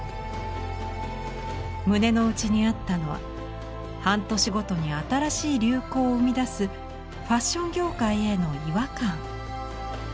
胸の内にあったのは半年ごとに新しい流行を生み出すファッション業界への違和感。